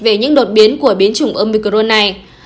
về những đột biến của biến chủng omicron này